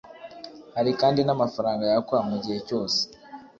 hari kandi n amafaranga yakwa mu gihe cyose